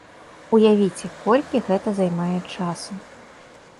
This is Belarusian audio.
Уявіце, колькі гэта займае часу.